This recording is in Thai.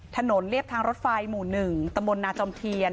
ถนนเรียบทางรถไฟหมู่๑ตมนาจอมเทียน